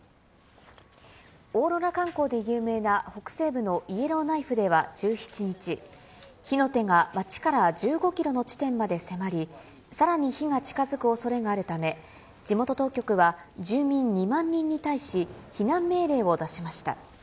オーロラ観光で有名な北西部のイエローナイフでは１７日、火の手が町から１５キロの地点まで迫り、さらに火が近づくおそれがあるため、地元当局は、住民２万人に対し避難命令を出しました。